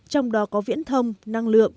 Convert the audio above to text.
trong đó có viễn thông năng lượng